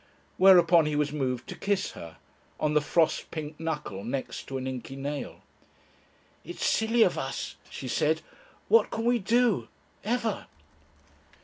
Whereupon he was moved to kiss her on the frost pink knuckle next to an inky nail. "It's silly of us," she said. "What can we do? ever?"